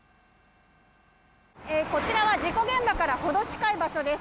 こちらは事故現場から程近い場所です。